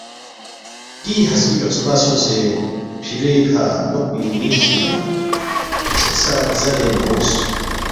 دی ہسکے گیوخسپا سونگسے فِروے کھہ لوقپی لِنگسِنگ نہ چک سہ غزارے مہ اونگس